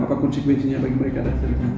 apa konsekuensinya bagi mereka